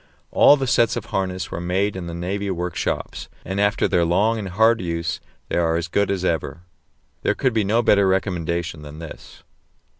All the sets of harness were made in the navy workshops, and after their long and hard use they are as good as ever. There could be no better recommendation than this.